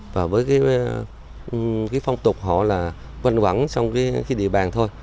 và với cái phong tục họ là quăn quẳng trong cái địa bàn thôi